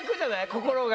心が。